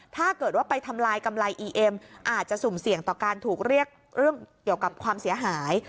ถ้าเกิดว่าไปทำลายกำไรอีเอ็มอาจจะสุ่มเสี่ยงต่อการถูกเรียกเรื่องเกี่ยวกับความเสียหาย